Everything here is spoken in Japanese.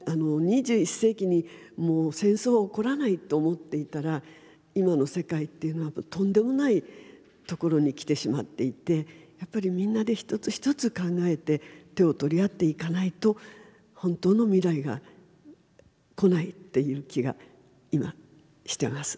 ２１世紀にもう戦争は起こらないと思っていたら今の世界っていうのはとんでもないところに来てしまっていてやっぱりみんなで一つ一つ考えて手を取り合っていかないと本当の未来が来ないっていう気が今してます。